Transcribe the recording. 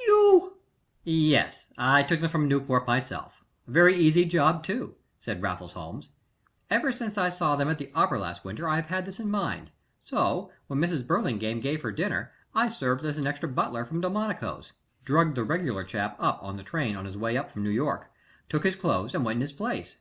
"You " "Yes I took them from Newport myself very easy job, too," said Raffles Holmes. "Ever since I saw them at the opera last winter I have had this in mind, so when Mrs. Burlingame gave her dinner I served as an extra butler from Delmonico's drugged the regular chap up on the train on his way up from New York took his clothes, and went in his place.